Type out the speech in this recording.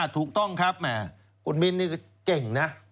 ถูกต้องครับคุณมินทร์นี่เก่งนะ